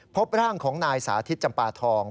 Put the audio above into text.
พบร่างของนายสาธิตจำปาทอง